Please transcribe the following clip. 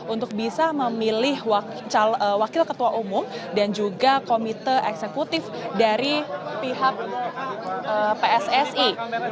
untuk bisa memilih wakil ketua umum dan juga komite eksekutif dari pihak pssi